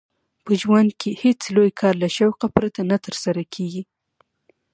په ژوند کښي هېڅ لوى کار له شوقه پرته نه ترسره کېږي.